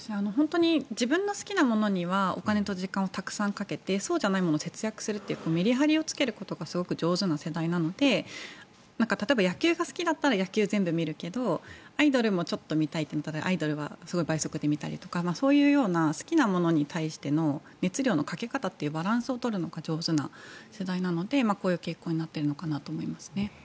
自分の好きなものにはお金と時間をたくさんかけてそうじゃないものは節約するというメリハリをつけることがすごく上手な世代なので例えば、野球が好きだったら野球は全部見るけどアイドルもちょっと見たいとなったらアイドルは倍速で見たりとかそういう好きなものに対しての熱量のかけ方のバランスを取るのが上手な世代なのでこういう傾向になっているのかなと思います。